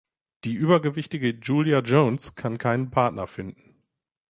Die übergewichtige Julia Jones kann keinen Partner finden.